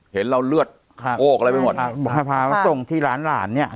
เห็นเราเลือดโอกอะไรไปหมดพามาส่งที่ร้านหลานเนี่ย